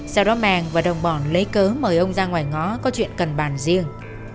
sau đó màng và đồng bọn lấy cớ mời ông ra ngoài ngó có chuyện cần bàn riêng